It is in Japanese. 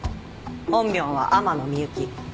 本名は天野みゆき。